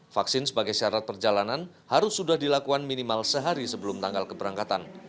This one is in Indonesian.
vaksin sebagai syarat perjalanan harus sudah dilakukan minimal sehari sebelum tanggal keberangkatan